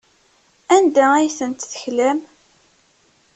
Anda ay tent-teklam?